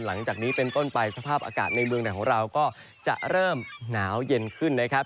หลังจากนี้เป็นต้นไปสภาพอากาศในเมืองไหนของเราก็จะเริ่มหนาวเย็นขึ้นนะครับ